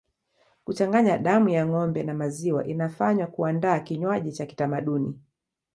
Kuchanganya damu ya ngombe na maziwa inafanywa kuandaa kinywaji cha kitamaduni